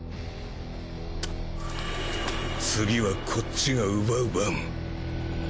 次はこっちが奪う番。